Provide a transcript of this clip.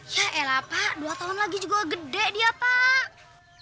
yaelah pak dua tahun lagi juga nggak gede dia pak